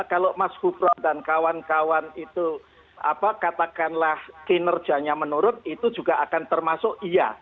kalau mas bubro dan kawan kawan itu katakanlah kinerjanya menurun itu juga akan termasuk iya